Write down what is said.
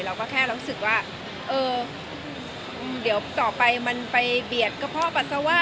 เราก็แค่รู้สึกว่าเออเดี๋ยวต่อไปมันไปเบียดกระเพาะปัสสาวะ